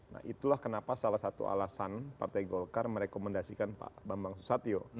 nah itulah kenapa salah satu alasan partai golkar merekomendasikan pak bambang susatyo